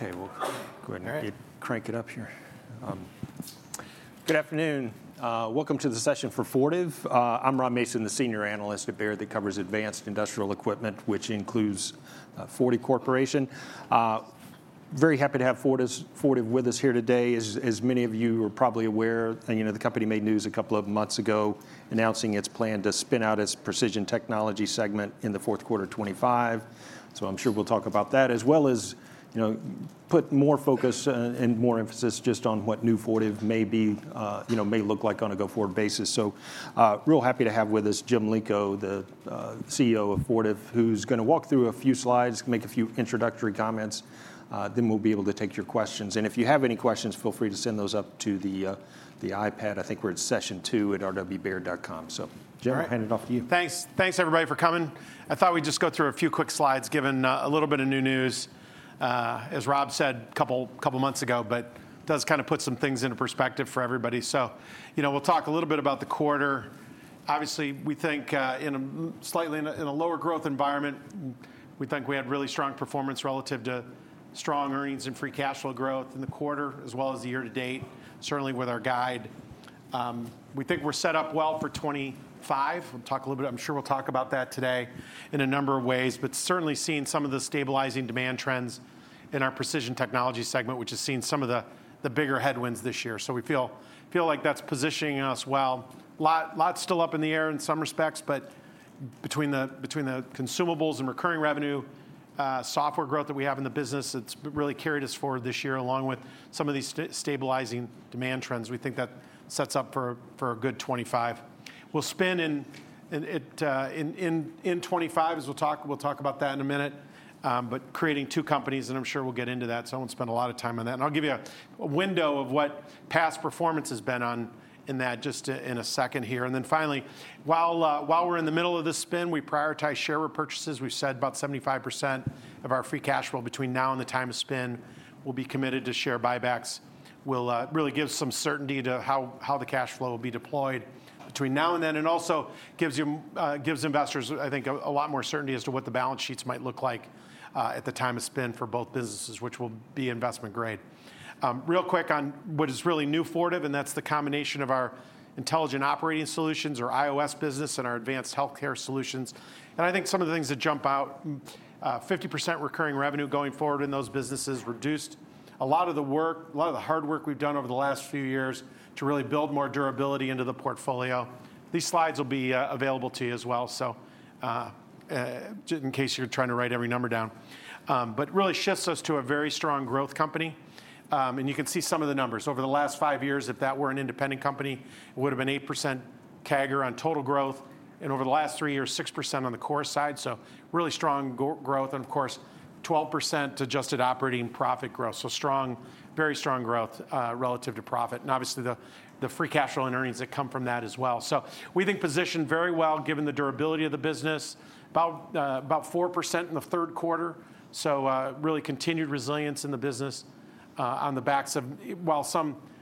Okay, we'll go ahead and crank it up here. Good afternoon. Welcome to the session for Fortive. I'm Rob Mason, the senior analyst at Baird that covers advanced industrial equipment, which includes Fortive Corporation. Very happy to have Fortive with us here today. As many of you are probably aware, the company made news a couple of months ago announcing its plan to spin out its Precision Technologies segment in the fourth quarter 2025. So I'm sure we'll talk about that, as well as put more focus and more emphasis just on what New Fortive may look like on a go-forward basis. So real happy to have with us Jim Lico, the CEO of Fortive, who's going to walk through a few slides, make a few introductory comments, then we'll be able to take your questions. If you have any questions, feel free to send those up to the iPad. I think we're in session two at rwbaird.com. Jim, I'll hand it off to you. Thanks, everybody, for coming. I thought we'd just go through a few quick slides given a little bit of new news, as Rob said a couple months ago, but it does kind of put some things into perspective for everybody, so we'll talk a little bit about the quarter. Obviously, we think in a slightly lower growth environment, we think we had really strong performance relative to strong earnings and free cash flow growth in the quarter, as well as the year to date, certainly with our guide. We think we're set up well for 2025. We'll talk a little bit, I'm sure we'll talk about that today in a number of ways, but certainly seeing some of the stabilizing demand trends in our Precision Technologies segment, which has seen some of the bigger headwinds this year, so we feel like that's positioning us well. A lot still up in the air in some respects, but between the consumables and recurring revenue, software growth that we have in the business, it's really carried us forward this year along with some of these stabilizing demand trends. We think that sets up for a good 2025. We'll spin in 2025, as we'll talk about that in a minute, but creating two companies, and I'm sure we'll get into that, so I won't spend a lot of time on that, and I'll give you a window of what past performance has been on in that just in a second here, and then finally, while we're in the middle of the spin, we prioritize share repurchases. We've said about 75% of our free cash flow between now and the time of spin will be committed to share buybacks. We'll really give some certainty to how the cash flow will be deployed between now and then, and also gives investors, I think, a lot more certainty as to what the balance sheets might look like at the time of spin for both businesses, which will be investment grade. Real quick on what is really New Fortive, and that's the combination of our Intelligent Operating Solutions, our IOS business, and our Advanced Healthcare Solutions, and I think some of the things that jump out, 50% recurring revenue going forward in those businesses, reduced a lot of the work, a lot of the hard work we've done over the last few years to really build more durability into the portfolio. These slides will be available to you as well, so just in case you're trying to write every number down, but really shifts us to a very strong growth company. You can see some of the numbers. Over the last five years, if that were an independent company, it would have been 8% CAGR on total growth, and over the last three years, 6% on the core side. Really strong growth, and of course, 12% adjusted operating profit growth. Strong, very strong growth relative to profit, and obviously the free cash flow and earnings that come from that as well. We think positioned very well given the durability of the business, about 4% in the third quarter. Really continued resilience in the business on the backs of, while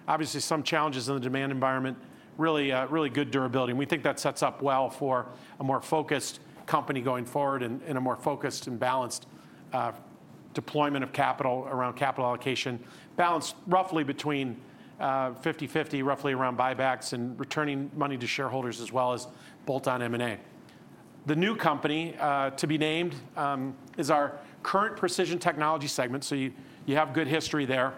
obviously some challenges in the demand environment, really good durability. We think that sets up well for a more focused company going forward and a more focused and balanced deployment of capital around capital allocation, balanced roughly between 50/50, roughly around buybacks and returning money to shareholders as well as bolt-on M&A. The new company to be named is our current Precision Technologies segment. You have good history there.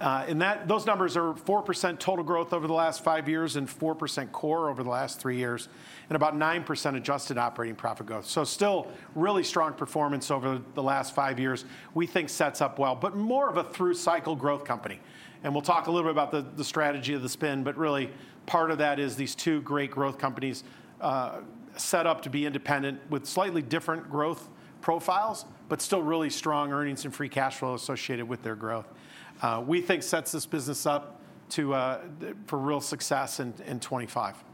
Those numbers are 4% total growth over the last five years and 4% core over the last three years, and about 9% adjusted operating profit growth. Still really strong performance over the last five years, we think sets up well, but more of a through-cycle growth company. We'll talk a little bit about the strategy of the spin, but really part of that is these two great growth companies set up to be independent with slightly different growth profiles, but still really strong earnings and free cash flow associated with their growth. We think sets this business up for real success in 2025.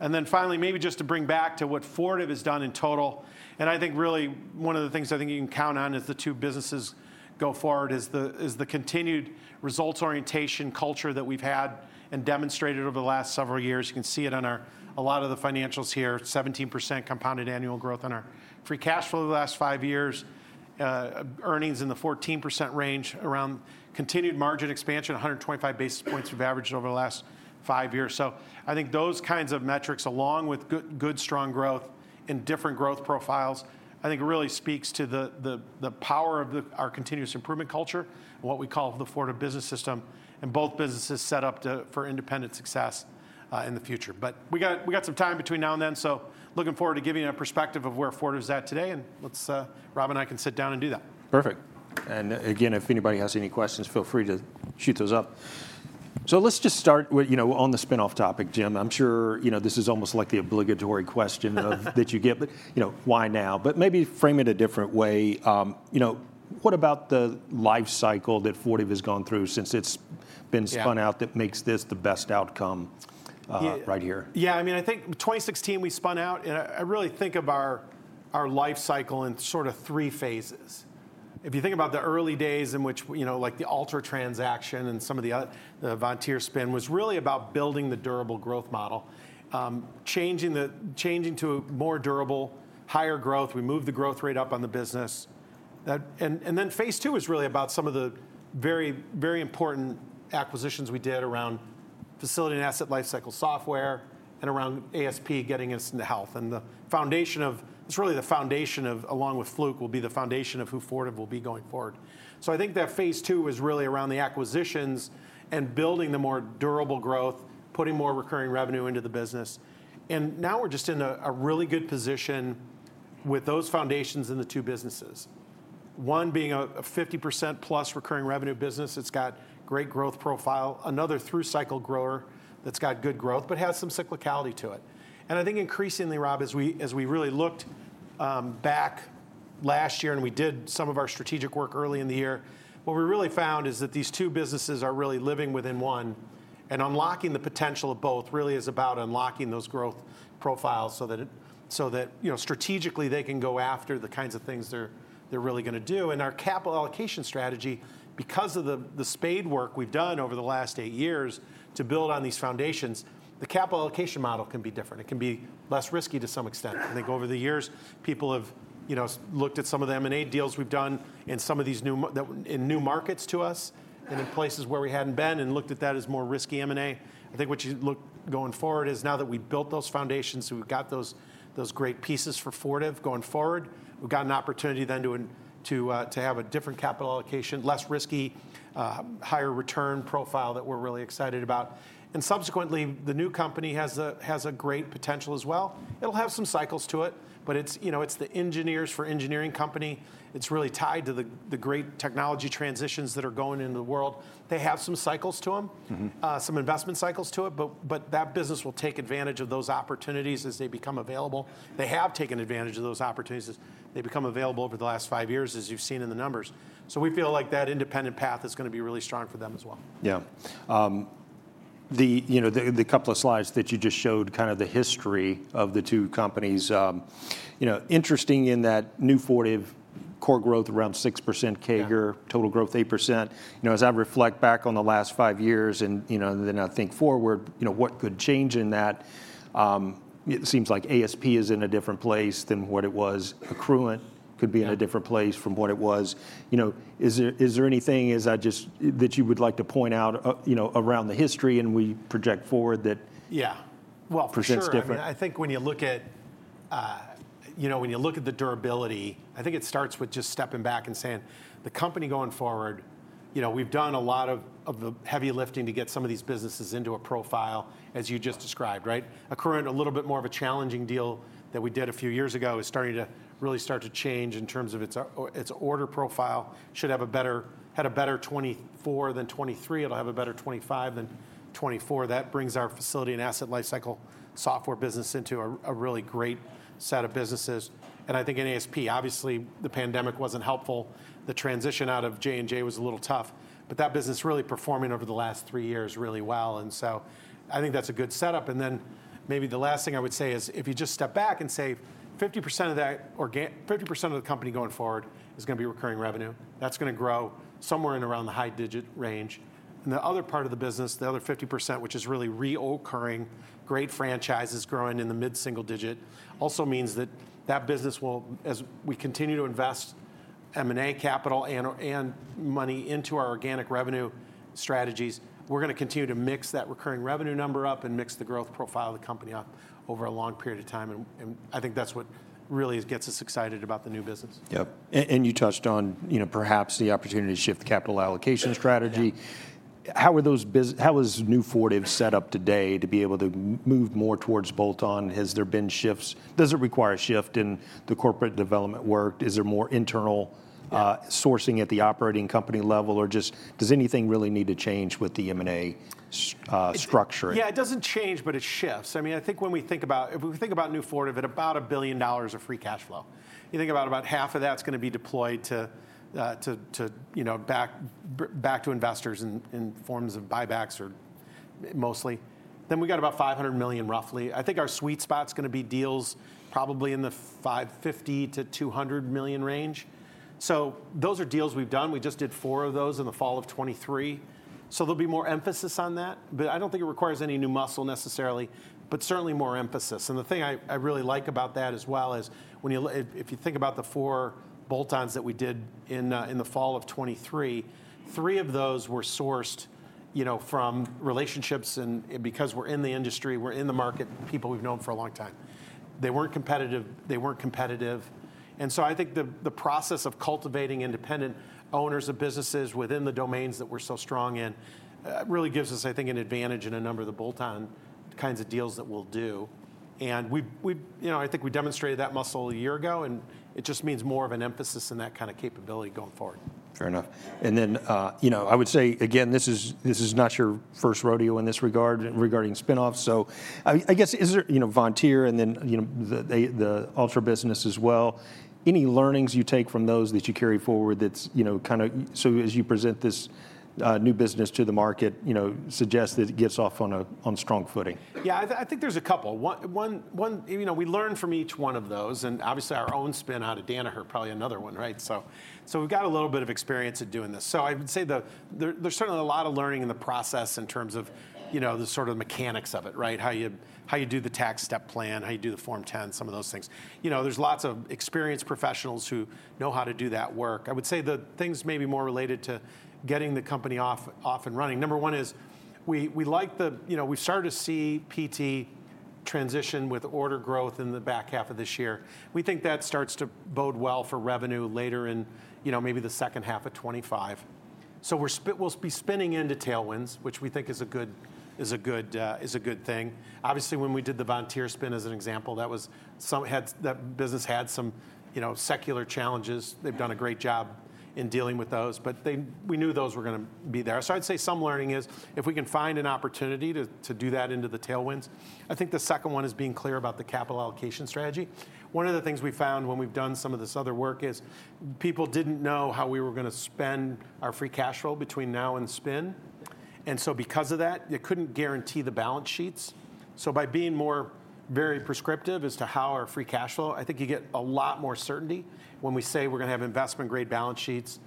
Then finally, maybe just to bring back to what Fortive has done in total, and I think really one of the things I think you can count on as the two businesses go forward is the continued results orientation culture that we've had and demonstrated over the last several years. You can see it on a lot of the financials here, 17% compounded annual growth on our free cash flow over the last five years, earnings in the 14% range, around continued margin expansion, 125 basis points we've averaged over the last five years. So I think those kinds of metrics, along with good, strong growth and different growth profiles, I think really speaks to the power of our continuous improvement culture and what we call the Fortive Business System, and both businesses set up for independent success in the future. But we got some time between now and then, so looking forward to giving you a perspective of where Fortive is at today, and Rob and I can sit down and do that. Perfect, and again, if anybody has any questions, feel free to shoot those up, so let's just start on the spin-off topic, Jim. I'm sure this is almost like the obligatory question that you get, but why now, but maybe frame it a different way. What about the life cycle that Fortive has gone through since it's been spun out that makes this the best outcome right here? Yeah, I mean, I think 2016 we spun out, and I really think of our life cycle in sort of three phases. If you think about the early days in which the Altra transaction and some of the Vontier spin was really about building the durable growth model, changing to a more durable, higher growth, we moved the growth rate up on the business. And then phase two was really about some of the very important acquisitions we did around Facility and Asset Lifecycle software and around ASP getting us into health. And the foundation of, it's really the foundation of, along with Fluke, will be the foundation of who Fortive will be going forward. So I think that phase two was really around the acquisitions and building the more durable growth, putting more recurring revenue into the business. And now we're just in a really good position with those foundations in the two businesses. One being a 50%+ recurring revenue business that's got great growth profile, another through-cycle grower that's got good growth, but has some cyclicality to it. And I think increasingly, Rob, as we really looked back last year and we did some of our strategic work early in the year, what we really found is that these two businesses are really living within one, and unlocking the potential of both really is about unlocking those growth profiles so that strategically they can go after the kinds of things they're really going to do. And our capital allocation strategy, because of the spade work we've done over the last eight years to build on these foundations, the capital allocation model can be different. It can be less risky to some extent. I think over the years, people have looked at some of the M&A deals we've done in some of these new markets to us and in places where we hadn't been and looked at that as more risky M&A. I think what you look going forward is now that we've built those foundations, we've got those great pieces for Fortive going forward, we've got an opportunity then to have a different capital allocation, less risky, higher return profile that we're really excited about, and subsequently, the new company has a great potential as well. It'll have some cycles to it, but it's the Engineer's engineering company. It's really tied to the great technology transitions that are going in the world. They have some cycles to them, some investment cycles to it, but that business will take advantage of those opportunities as they become available. They have taken advantage of those opportunities as they become available over the last five years, as you've seen in the numbers. So we feel like that independent path is going to be really strong for them as well. Yeah. The couple of slides that you just showed kind of the history of the two companies, interesting in that New Fortive core growth around 6% CAGR, total growth 8%. As I reflect back on the last five years and then I think forward, what could change in that? It seems like ASP is in a different place than what it was. Accruent could be in a different place from what it was. Is there anything that you would like to point out around the history and we project forward that for sure is different? Yeah. Well, for sure. I think when you look at the durability, I think it starts with just stepping back and saying, the company going forward, we've done a lot of the heavy lifting to get some of these businesses into a profile, as you just described, right? Accruent, a little bit more of a challenging deal that we did a few years ago, is starting to really change in terms of its order profile. Should have had a better 2024 than 2023. It'll have a better 2025 than 2024. That brings our facility and asset life cycle software business into a really great set of businesses. And I think in ASP, obviously, the pandemic wasn't helpful. The transition out of J&J was a little tough, but that business really performing over the last three years really well. And so I think that's a good setup. And then maybe the last thing I would say is if you just step back and say 50% of the company going forward is going to be recurring revenue, that's going to grow somewhere in around the high digit range. And the other part of the business, the other 50%, which is really recurring, great franchises growing in the mid-single digit, also means that that business, as we continue to invest M&A capital and money into our organic revenue strategies, we're going to continue to mix that recurring revenue number up and mix the growth profile of the company up over a long period of time. And I think that's what really gets us excited about the new business. Yep. And you touched on perhaps the opportunity to shift the capital allocation strategy. How is New Fortive set up today to be able to move more towards bolt-on? Has there been shifts? Does it require a shift in the corporate development work? Is there more internal sourcing at the operating company level, or just does anything really need to change with the M&A structure? Yeah, it doesn't change, but it shifts. I mean, I think when we think about, if we think about New Fortive, at about $1 billion of free cash flow. You think about half of that's going to be deployed back to investors in forms of buybacks or mostly. Then we got about $500 million, roughly. I think our sweet spot's going to be deals probably in the $50 million-$200 million range. So those are deals we've done. We just did four of those in the fall of 2023. So there'll be more emphasis on that, but I don't think it requires any new muscle necessarily, but certainly more emphasis. The thing I really like about that as well is if you think about the four bolt-ons that we did in the fall of 2023, three of those were sourced from relationships and because we're in the industry, we're in the market, people we've known for a long time. They weren't competitive. They weren't competitive. And so I think the process of cultivating independent owners of businesses within the domains that we're so strong in really gives us, I think, an advantage in a number of the bolt-on kinds of deals that we'll do. And I think we demonstrated that muscle a year ago, and it just means more of an emphasis in that kind of capability going forward. Fair enough. And then I would say, again, this is not your first rodeo in this regard regarding spinoffs. So I guess is there Vontier and then the Altra business as well? Any learnings you take from those that you carry forward that's kind of, so as you present this new business to the market, suggest that it gets off on strong footing? Yeah, I think there's a couple. We learn from each one of those, and obviously our own spin out of Danaher, probably another one, right? So we've got a little bit of experience at doing this. So I would say there's certainly a lot of learning in the process in terms of the sort of mechanics of it, right? How you do the tax step plan, how you do the Form 10, some of those things. There's lots of experienced professionals who know how to do that work. I would say the things may be more related to getting the company off and running. Number one is we started to see PT transition with order growth in the back half of this year. We think that starts to bode well for revenue later in maybe the second half of 2025. So we'll be spinning into tailwinds, which we think is a good thing. Obviously, when we did the Vontier spin as an example, that business had some secular challenges. They've done a great job in dealing with those, but we knew those were going to be there. So I'd say some learning is if we can find an opportunity to do that into the tailwinds. I think the second one is being clear about the capital allocation strategy. One of the things we found when we've done some of this other work is people didn't know how we were going to spend our free cash flow between now and spin. And so because of that, you couldn't guarantee the balance sheets. So by being more very prescriptive as to how our free cash flow, I think you get a lot more certainty when we say we're going to have investment-grade balance sheets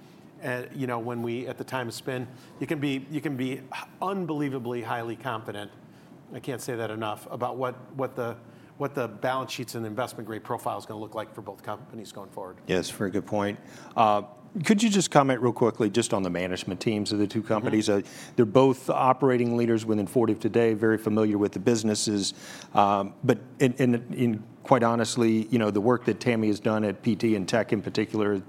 when we, at the time of spin, you can be unbelievably highly confident. I can't say that enough about what the balance sheets and investment-grade profile is going to look like for both companies going forward. Yes, very good point. Could you just comment real quickly just on the management teams of the two companies? They're both operating leaders within Fortive today, very familiar with the businesses. But quite honestly, the work that Tami has done at PT and Tek in particular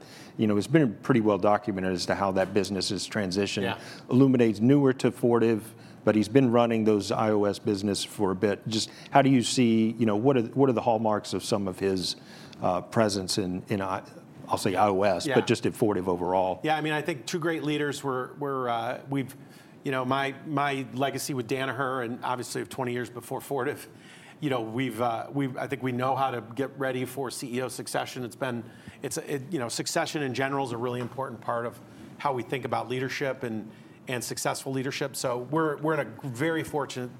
has been pretty well documented as to how that business has transitioned. Olumide's newer to Fortive, but he's been running those IOS business for a bit. Just how do you see what are the hallmarks of some of his presence in, I'll say IOS, but just at Fortive overall? Yeah, I mean, I think two great leaders were my legacy with Danaher and obviously 20 years before Fortive. I think we know how to get ready for CEO succession. Succession in general is a really important part of how we think about leadership and successful leadership. So we're in a very fortunate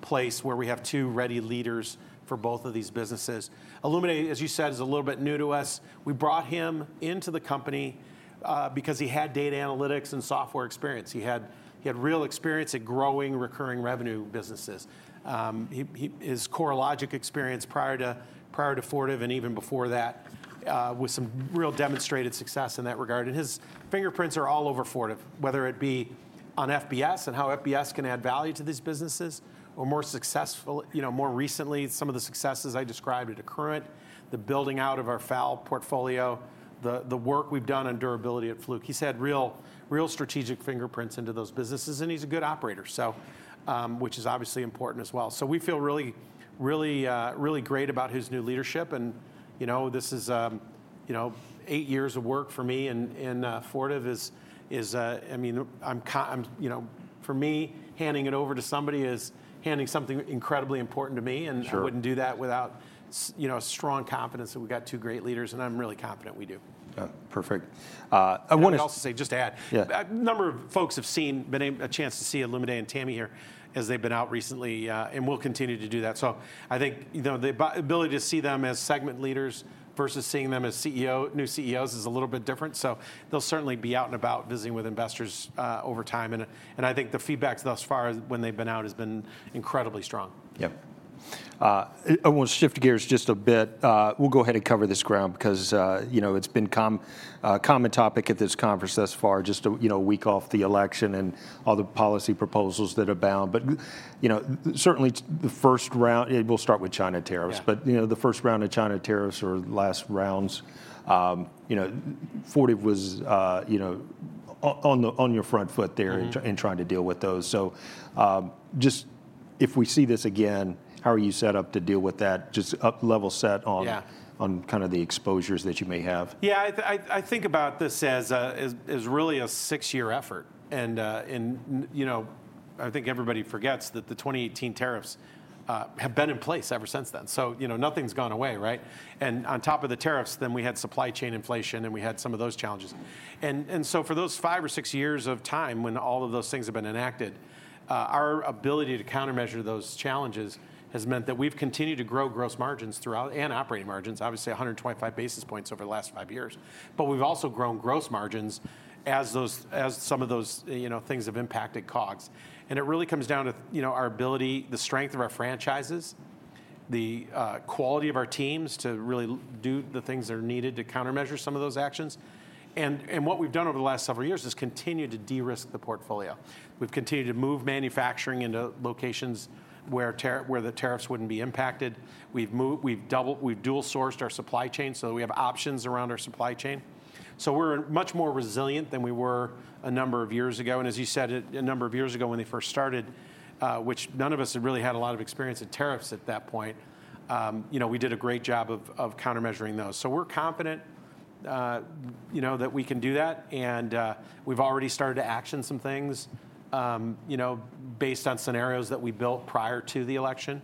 place where we have two ready leaders for both of these businesses. Olumide, as you said, is a little bit new to us. We brought him into the company because he had data analytics and software experience. He had real experience at growing recurring revenue businesses. His CoreLogic experience prior to Fortive and even before that with some real demonstrated success in that regard. And his fingerprints are all over Fortive, whether it be on FBS and how FBS can add value to these businesses or more successful, more recently, some of the successes I described at Accruent, the building out of our FAL portfolio, the work we've done on durability at Fluke. He's had real strategic fingerprints into those businesses, and he's a good operator, which is obviously important as well. So we feel really great about his new leadership. And this is eight years of work for me in Fortive. I mean, for me, handing it over to somebody is handing something incredibly important to me, and I wouldn't do that without strong confidence that we've got two great leaders, and I'm really confident we do. Perfect. I wanted to say, just to add, a number of folks have seen, been a chance to see Olumide and Tami here as they've been out recently, and we'll continue to do that, so I think the ability to see them as segment leaders versus seeing them as new CEOs is a little bit different, so they'll certainly be out and about visiting with investors over time, and I think the feedback thus far when they've been out has been incredibly strong. Yep. I want to shift gears just a bit. We'll go ahead and cover this ground because it's been a common topic at this conference thus far, just a week off the election and all the policy proposals that are bound. But certainly the first round, we'll start with China tariffs, but the first round of China tariffs or last rounds, Fortive was on the front foot there in trying to deal with those. So just if we see this again, how are you set up to deal with that? Just level set on kind of the exposures that you may have. Yeah, I think about this as really a six-year effort. And I think everybody forgets that the 2018 tariffs have been in place ever since then. So nothing's gone away, right? And on top of the tariffs, then we had supply chain inflation, and we had some of those challenges. And so for those five or six years of time when all of those things have been enacted, our ability to countermeasure those challenges has meant that we've continued to grow gross margins throughout and operating margins, obviously 125 basis points over the last five years. But we've also grown gross margins as some of those things have impacted COGS. And it really comes down to our ability, the strength of our franchises, the quality of our teams to really do the things that are needed to countermeasure some of those actions. What we've done over the last several years is continue to de-risk the portfolio. We've continued to move manufacturing into locations where the tariffs wouldn't be impacted. We've dual-sourced our supply chain so that we have options around our supply chain. So we're much more resilient than we were a number of years ago. As you said, a number of years ago when they first started, which none of us had really had a lot of experience in tariffs at that point, we did a great job of countermeasuring those. So we're confident that we can do that. We've already started to action some things based on scenarios that we built prior to the election.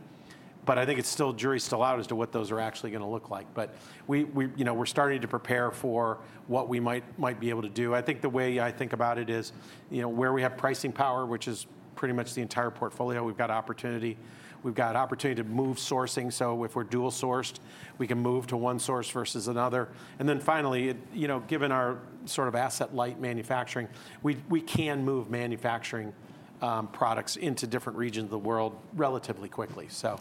I think the jury's still out as to what those are actually going to look like. We're starting to prepare for what we might be able to do. I think the way I think about it is where we have pricing power, which is pretty much the entire portfolio, we've got opportunity. We've got opportunity to move sourcing, so if we're dual-sourced, we can move to one source versus another, and then finally, given our sort of asset-light manufacturing, we can move manufacturing products into different regions of the world relatively quickly, so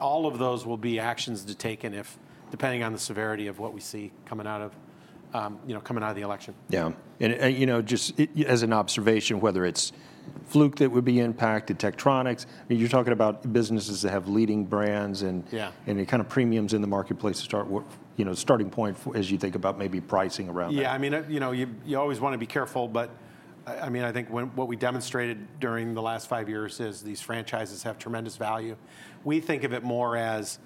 all of those will be actions to take depending on the severity of what we see coming out of the election. Yeah. And just as an observation, whether it's Fluke that would be impacted, Tektronix, I mean, you're talking about businesses that have leading brands and kind of premiums in the marketplace to start, starting point as you think about maybe pricing around that. Yeah, I mean, you always want to be careful. But I mean, I think what we demonstrated during the last five years is these franchises have tremendous value. We think of it more as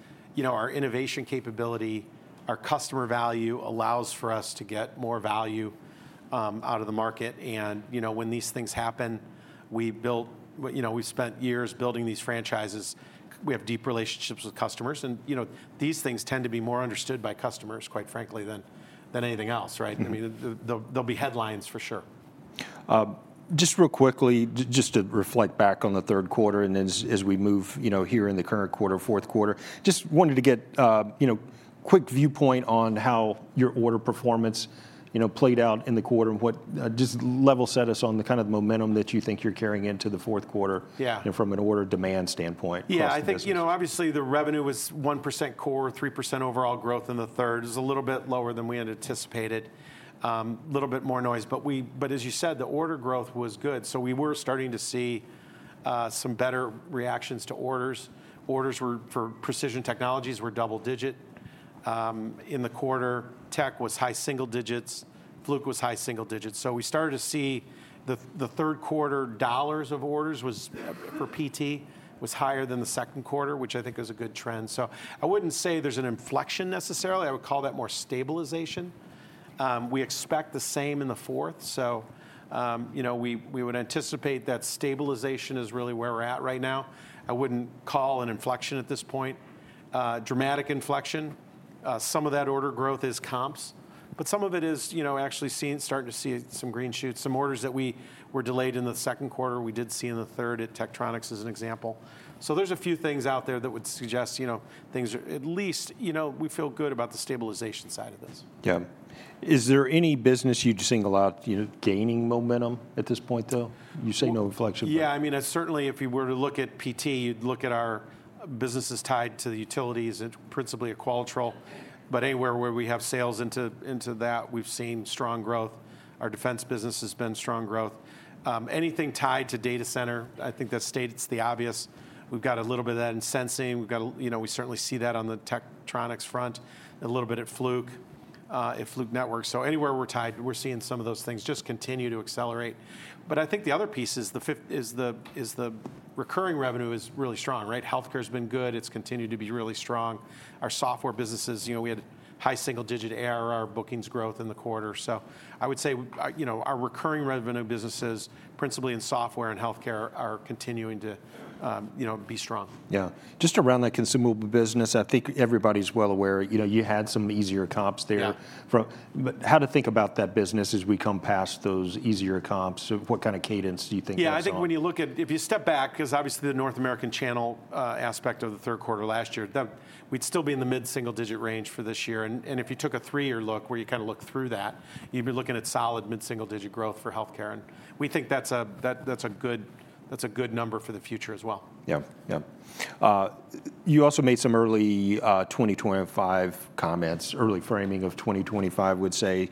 our innovation capability, our customer value allows for us to get more value out of the market. And when these things happen, we spent years building these franchises. We have deep relationships with customers. And these things tend to be more understood by customers, quite frankly, than anything else, right? I mean, there'll be headlines for sure. Just real quickly, just to reflect back on the third quarter and then as we move here in the current quarter, fourth quarter, just wanted to get a quick viewpoint on how your order performance played out in the quarter and just level set us on the kind of momentum that you think you're carrying into the fourth quarter from an order demand standpoint. Yeah, I think obviously the revenue was 1% core, 3% overall growth in the third. It was a little bit lower than we had anticipated, a little bit more noise, but as you said, the order growth was good, so we were starting to see some better reactions to orders. Orders for Precision Technologies were double digit in the quarter. Tek was high single digits. Fluke was high single digits. So we started to see the third quarter dollars of orders for PT was higher than the second quarter, which I think is a good trend, so I wouldn't say there's an inflection necessarily. I would call that more stabilization. We expect the same in the fourth, so we would anticipate that stabilization is really where we're at right now. I wouldn't call an inflection at this point. Dramatic inflection. Some of that order growth is comps, but some of it is actually starting to see some green shoots. Some orders that we were delayed in the second quarter, we did see in the third at Tektronix as an example. So there's a few things out there that would suggest things at least we feel good about the stabilization side of this. Yeah. Is there any business you'd single out gaining momentum at this point though? You say no inflection. Yeah, I mean, certainly if you were to look at PT, you'd look at our businesses tied to the utilities and principally a Qualitrol. But anywhere where we have sales into that, we've seen strong growth. Our defense business has been strong growth. Anything tied to data center, I think that states the obvious. We've got a little bit of that in sensing. We certainly see that on the Tektronix front, a little bit at Fluke, at Fluke Networks. So anywhere we're tied, we're seeing some of those things just continue to accelerate. But I think the other piece is the recurring revenue is really strong, right? Healthcare has been good. It's continued to be really strong. Our software businesses, we had high single digit order bookings growth in the quarter. So I would say our recurring revenue businesses, principally in software and healthcare, are continuing to be strong. Yeah. Just around that consumable business, I think everybody's well aware. You had some easier comps there. How to think about that business as we come past those easier comps? What kind of cadence do you think that's going to be? Yeah, I think when you look at, if you step back, because obviously the North American channel aspect of the third quarter last year, we'd still be in the mid-single digit range for this year. And if you took a three-year look where you kind of look through that, you'd be looking at solid mid-single digit growth for healthcare. And we think that's a good number for the future as well. Yeah, yeah. You also made some early 2025 comments, early framing of 2025, I would say,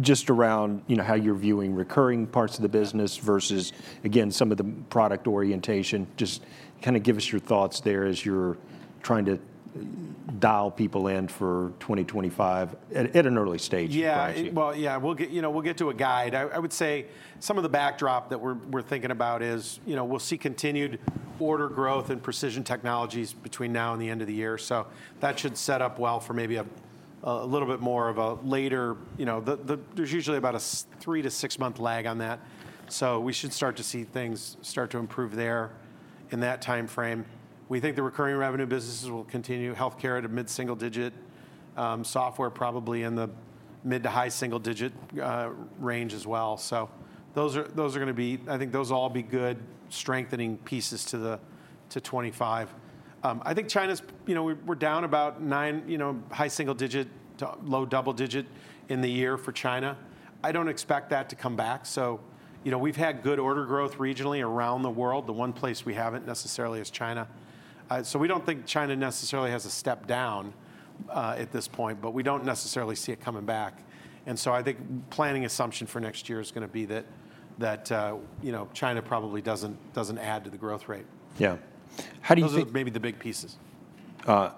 just around how you're viewing recurring parts of the business versus, again, some of the product orientation. Just kind of give us your thoughts there as you're trying to dial people in for 2025 at an early stage? Yeah, well, yeah, we'll get to a guide. I would say some of the backdrop that we're thinking about is we'll see continued order growth in Precision Technologies between now and the end of the year. So that should set up well for maybe a little bit more later. There's usually about a three- to six-month lag on that. So we should start to see things start to improve there in that time frame. We think the recurring revenue businesses will continue. Healthcare at a mid-single-digit. Software probably in the mid- to high-single-digit range as well. So those are going to be, I think those will all be good strengthening pieces to 25. I think China's. We're down about 9 high-single-digit to low-double-digit in the year for China. I don't expect that to come back. We've had good order growth regionally around the world. The one place we haven't necessarily is China. We don't think China necessarily has a step down at this point, but we don't necessarily see it coming back. I think planning assumption for next year is going to be that China probably doesn't add to the growth rate. Yeah. How do you think? Those are maybe the big pieces. How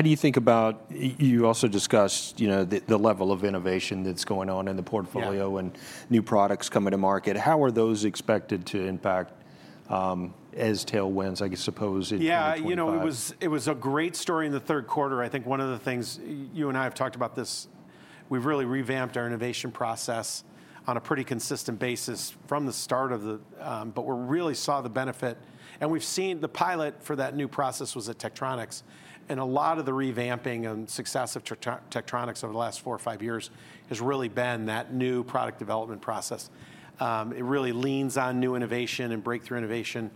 do you think about, you also discussed the level of innovation that's going on in the portfolio and new products coming to market? How are those expected to impact as tailwinds, I suppose? Yeah, it was a great story in the third quarter. I think one of the things you and I have talked about this, we've really revamped our innovation process on a pretty consistent basis from the start of the, but we really saw the benefit. And we've seen the pilot for that new process was at Tektronix. And a lot of the revamping and success of Tektronix over the last four or five years has really been that new product development process. It really leans on new innovation and breakthrough innovation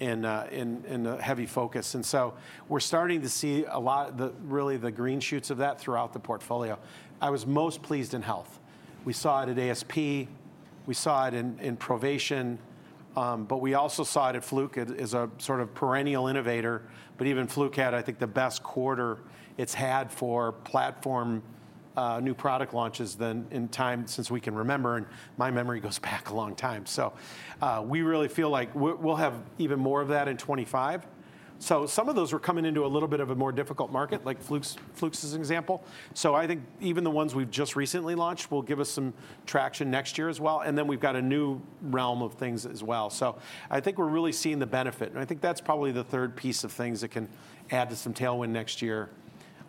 and a heavy focus. And so we're starting to see a lot of really the green shoots of that throughout the portfolio. I was most pleased in health. We saw it at ASP. We saw it in Provation. But we also saw it at Fluke as a sort of perennial innovator. Even Fluke had, I think, the best quarter it's had for platform new product launches than in time since we can remember. My memory goes back a long time. We really feel like we'll have even more of that in 2025. Some of those were coming into a little bit of a more difficult market, like Fluke's example. Even the ones we've just recently launched will give us some traction next year as well. We've got a new realm of things as well. We're really seeing the benefit. That's probably the third piece of things that can add to some tailwind next year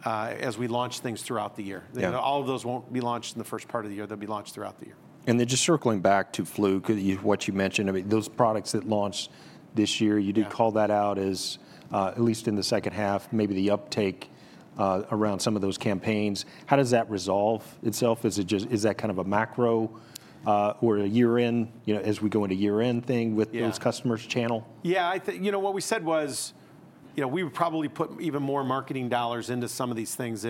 as we launch things throughout the year. All of those won't be launched in the first part of the year. They'll be launched throughout the year. And then, just circling back to Fluke, what you mentioned, those products that launched this year, you did call that out as at least in the second half, maybe the uptake around some of those campaigns. How does that resolve itself? Is that kind of a macro or a year-end, as we go into year-end thing with those customers channel? Yeah, I think what we said was we would probably put even more marketing dollars into some of these things.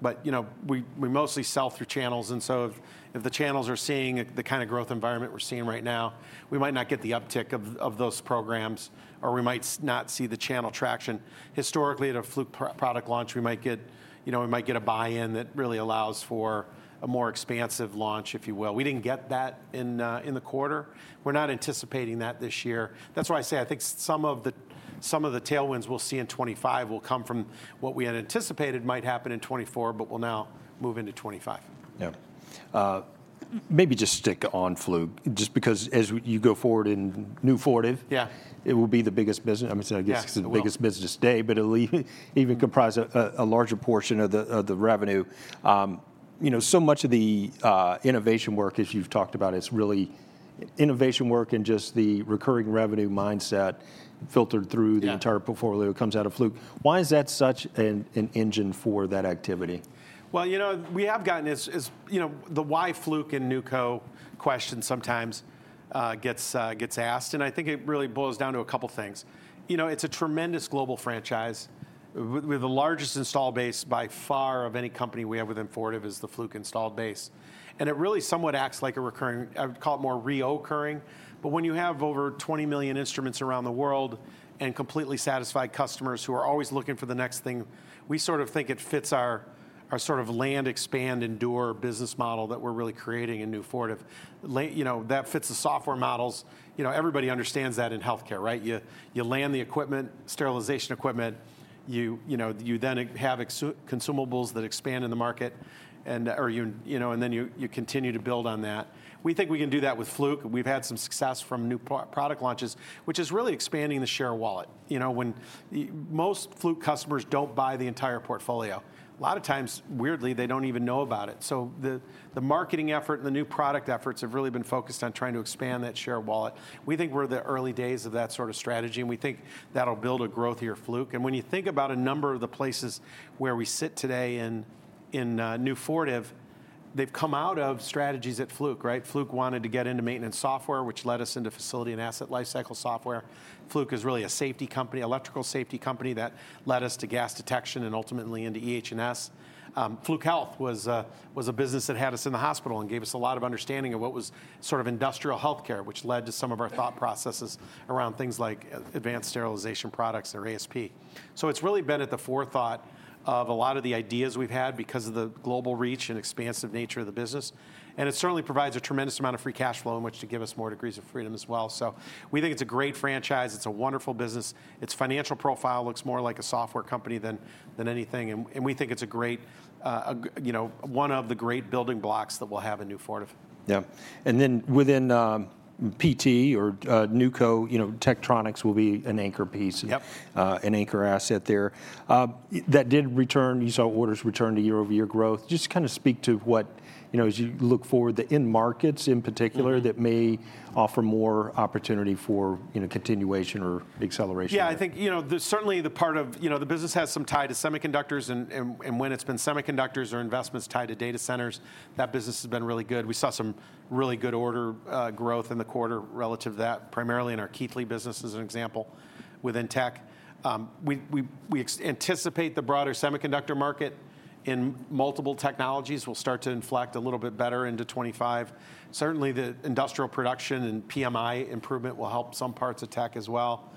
But we mostly sell through channels. And so if the channels are seeing the kind of growth environment we're seeing right now, we might not get the uptick of those programs, or we might not see the channel traction. Historically, at a Fluke product launch, we might get a buy-in that really allows for a more expansive launch, if you will. We didn't get that in the quarter. We're not anticipating that this year. That's why I say I think some of the tailwinds we'll see in 2025 will come from what we had anticipated might happen in 2024, but will now move into 2025. Yeah. Maybe just stick on Fluke, just because as you go forward in NewCo formation, it will be the biggest business. I mean, it's the biggest business today, but it'll even comprise a larger portion of the revenue. So much of the innovation work, as you've talked about, it's really innovation work and just the recurring revenue mindset filtered through the entire portfolio comes out of Fluke. Why is that such an engine for that activity? You know we have gotten this, the why Fluke and NewCo question sometimes gets asked. I think it really boils down to a couple of things. It's a tremendous global franchise. We have the largest installed base by far of any company we have within Fortive is the Fluke installed base. It really somewhat acts like a recurring, I would call it more recurring. When you have over 20 million instruments around the world and completely satisfied customers who are always looking for the next thing, we sort of think it fits our sort of land, expand, endure business model that we're really creating in New Fortive. That fits the software models. Everybody understands that in healthcare, right? You land the equipment, sterilization equipment, you then have consumables that expand in the market, and then you continue to build on that. We think we can do that with Fluke. We've had some success from new product launches, which is really expanding the share of wallet. Most Fluke customers don't buy the entire portfolio. A lot of times, weirdly, they don't even know about it. So the marketing effort and the new product efforts have really been focused on trying to expand that share of wallet. We think we're in the early days of that sort of strategy, and we think that'll build a growth here at Fluke. And when you think about a number of the places where we sit today in New Fortive, they've come out of strategies at Fluke, right? Fluke wanted to get into maintenance software, which led us into facility and asset lifecycle software. Fluke is really a safety company, electrical safety company that led us to gas detection and ultimately into EH&S. Fluke Health was a business that had us in the hospital and gave us a lot of understanding of what was sort of industrial healthcare, which led to some of our thought processes around things like Advanced Sterilization Products or ASP. So it's really been at the forefront of a lot of the ideas we've had because of the global reach and expansive nature of the business. And it certainly provides a tremendous amount of free cash flow in which to give us more degrees of freedom as well. So we think it's a great franchise. It's a wonderful business. Its financial profile looks more like a software company than anything. And we think it's one of the great building blocks that we'll have in New Fortive. Yeah. And then within PT or NewCo, Tektronix will be an anchor piece, an anchor asset there. That did return, you saw orders return to year-over-year growth. Just kind of speak to what, as you look forward, the end markets in particular that may offer more opportunity for continuation or acceleration. Yeah, I think certainly the part of the business has some tie to semiconductors, and when it's been semiconductors or investments tied to data centers, that business has been really good. We saw some really good order growth in the quarter relative to that, primarily in our Keithley business as an example within Tek. We anticipate the broader semiconductor market in multiple technologies will start to inflect a little bit better into 2025. Certainly, the industrial production and PMI improvement will help some parts of Tek as well.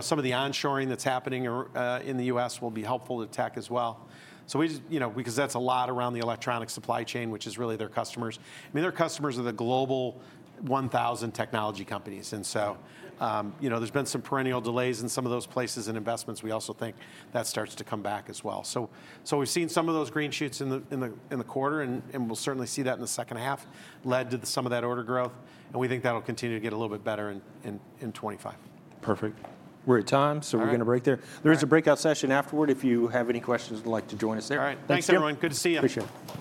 Some of the onshoring that's happening in the U.S. will be helpful to Tek as well, so because that's a lot around the electronic supply chain, which is really their customers. I mean, their customers are the Global 1,000 technology companies, and so there's been some perennial delays in some of those places and investments. We also think that starts to come back as well, so we've seen some of those green shoots in the quarter, and we'll certainly see that in the second half led to some of that order growth, and we think that'll continue to get a little bit better in 2025. Perfect. We're at time, so we're going to break there. There is a breakout session afterward if you have any questions and would like to join us there. All right. Thanks, everyone. Good to see you. Appreciate it.